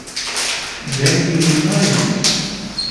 Dengê min nayê te.